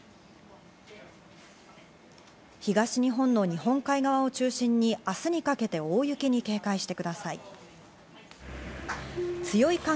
東日本の日本海側を中心に明日にかけて大雪に警戒してください。